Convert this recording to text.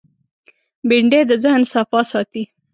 بېنډۍ د ذهن صفا ساتي